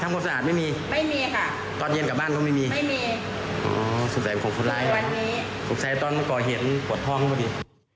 โอวสุดแดดของคนร้ายตอนเมื่อก่อนเห็นปลดห้องพอดี